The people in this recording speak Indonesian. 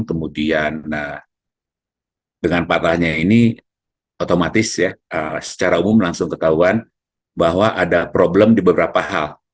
kemudian dengan patahnya ini otomatis ya secara umum langsung ketahuan bahwa ada problem di beberapa hal